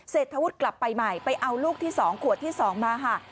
เศษทะวุดกลับไปใหม่ไปเอาขวดที่สองขวดที่สองมา